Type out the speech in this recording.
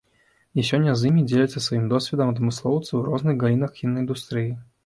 І сёння з імі дзеляцца сваім досведам адмыслоўцы ў розных галінах кінаіндустрыі.